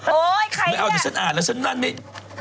โอ๊ยใครเนี้ยไม่เอาจะเส้นอ่าเส้นอ่านไปสวัสดี